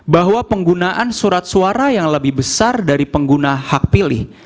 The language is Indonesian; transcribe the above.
bahwa penggunaan surat suara yang lebih besar dari pengguna hak pilih